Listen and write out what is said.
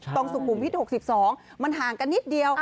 ตรงสุกุมพิษ๖๒มันหางกันนิดเดียว